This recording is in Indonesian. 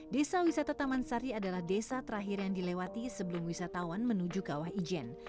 desa wisata taman sari adalah desa terakhir yang dilewati sebelum wisatawan menuju kawah ijen